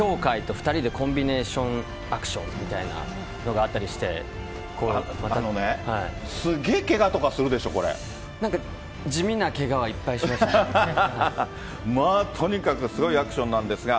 ２人でコンビネーションアクションみたいなのがあっあのね、すげえけがとかするなんか、地味なけがはいっぱまあ、とにかくすごいアクションなんですが。